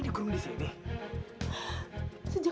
ibu kenapa terlalu parah